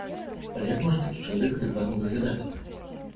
Але як можа такі чалавек адэкватна выглядаць?